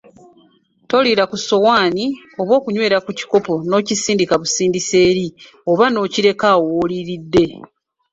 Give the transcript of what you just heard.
Toliira ku ssowaani oba okunywera ku kikopo n‘okisindika busindisi eri oba n‘okireka awo w‘oliiridde.